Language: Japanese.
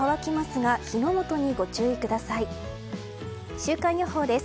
週間予報です。